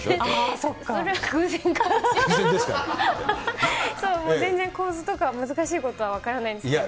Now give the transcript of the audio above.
そう、もう全然、構図とか、難しいことは分からないんですけど。